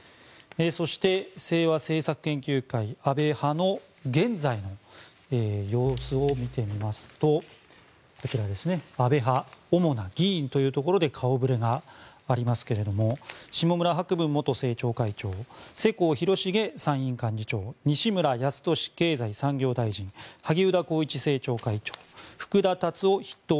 そして、清和政策研究会安倍派の現在の様子を見てみるとこちら安倍派の主な議員というところで顔触れがありますが下村博文元政調会長世耕弘成参院幹事長西村康稔経済産業大臣萩生田光一政調会長福田達夫筆頭